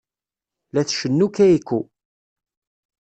La tcennu Keiko.